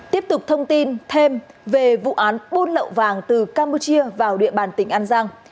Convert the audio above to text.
tiếp tục thông tin thêm về vụ án buôn lậu vàng từ campuchia vào địa bàn tỉnh an giang